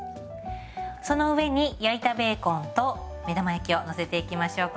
その上に焼いたベーコンと目玉焼きをのせていきましょうか。